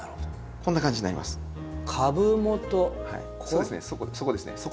そうですねそこですね。